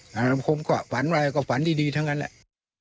ไม่มารบกวนผมก็ฝันอะไรก็ฝันดีทั้งนั้นแหละ